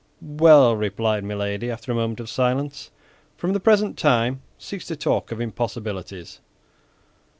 "Well," replied Milady, after a moment of silence, "from the present time, cease to talk of impossibilities."